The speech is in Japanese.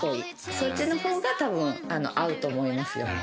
そっちの方がたぶん合うと思いますよ。